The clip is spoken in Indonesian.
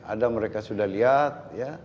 ada mereka sudah lihat